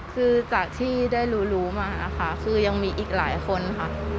คือจากที่ได้รู้มาค่ะคือยังมีอีกหลายคนค่ะ